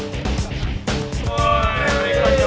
keren kan keren kan